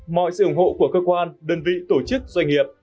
mọi sự ủng hộ của cơ quan đơn vị tổ chức doanh nghiệp